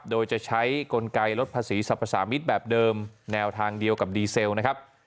โดยจะใช้กลไกลดภาษีสรรพสามิตรแบบเดิมแนวทางเดียวกับดีเซลนะครับ